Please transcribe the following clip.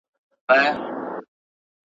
پوه سړي د ټولني دودونه اصلاح کول.